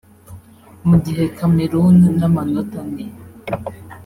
mu gihe Cameroon n’amanota ane